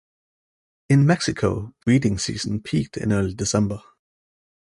In Mexico, breeding season peaked in early December.